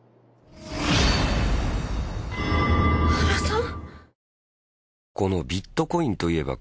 原さん！？